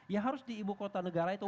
ya harus di ibu kota negara itu